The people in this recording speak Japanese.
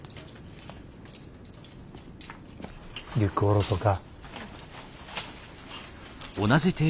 リュック下ろそか。